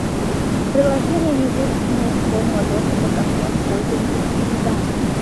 Приложения не будут иметь полного доступа ко всем пользовательским данным